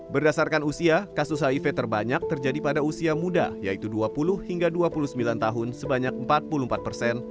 berdasarkan usia kasus hiv terbanyak terjadi pada usia muda yaitu dua puluh hingga dua puluh sembilan tahun sebanyak empat puluh empat persen